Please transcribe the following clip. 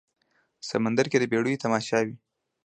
سمندر کې د بیړیو تماشا وي